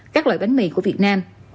các loại bánh mì của việt nam